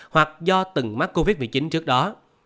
hoặc do từng mắc covid một mươi chín trước đó